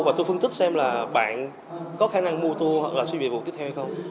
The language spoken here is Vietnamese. và tôi phân tích xem là bạn có khả năng mua tour hoặc là suy việc tiếp theo hay không